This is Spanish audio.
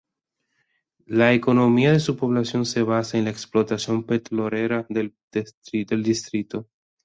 La economía de su población se basa en la explotación petrolera del distrito.